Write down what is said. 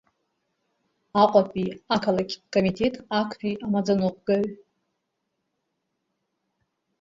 Аҟәатәи ақалақьтә Комитет актәи амаӡаныҟәгаҩ.